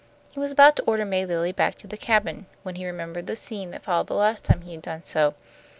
He was about to order May Lilly back to the cabin, when he remembered the scene that followed the last time he had done so.